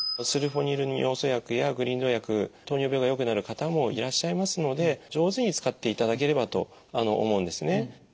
スルホニル尿素薬やグリニド薬糖尿病が良くなる方もいらっしゃいますので上手に使っていただければと思うんですね。